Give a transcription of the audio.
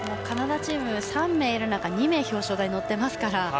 カナダチーム３名いる中で２名、表彰台に乗っていますから。